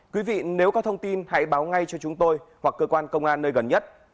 quý vị nếu có thông tin hãy báo ngay cho chúng tôi hoặc cơ quan công an nơi gần nhất